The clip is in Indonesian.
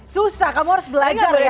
susah kamu harus belajar ya